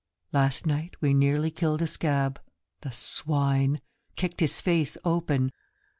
LAST night we nearly killed a scab. The swine ! Kicked his face open.